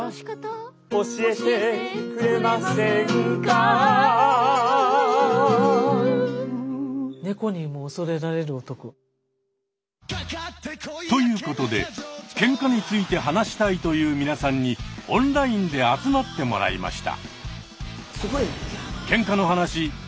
「阿佐ヶ谷パラダイス」アハハハハッ！ということでケンカについて話したいという皆さんにオンラインで集まってもらいました。